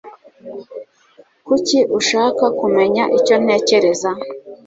Kuki ushaka kumenya icyo ntekereza?